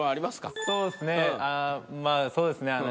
まあそうですね